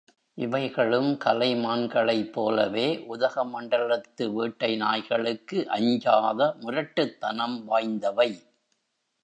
இவைகளும் கலை மான்களைப் போலவே, உதகமண்டலத்து வேட்டை நாய்களுக்கு அஞ்சாத முரட்டுத்தனம் வாய்ந்தவை.